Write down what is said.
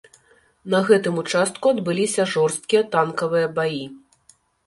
На гэтым участку адбыліся жорсткія танкавыя баі.